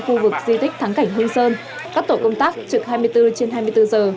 khu vực di tích thắng cảnh hương sơn các tổ công tác trực hai mươi bốn trên hai mươi bốn giờ